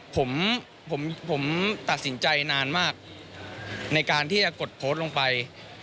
ผมผมตัดสินใจนานมากในการที่จะกดโพสต์ลงไป